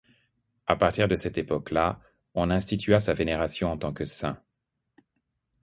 À partir de cette époque-là, on institua sa vénération en tant que saint.